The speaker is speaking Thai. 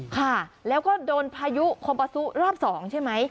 ค่ะแล้วก็โดนพายุคอปาซุรอบ๒ใช่ไหม